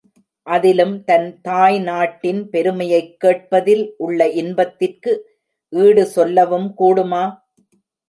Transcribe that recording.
அதிலும் தன் தாய் நாட்டின் பெருமையைக் கேட்பதில் உள்ள இன்பத்திற்கு ஈடு சொல்லவும் கூடுமா?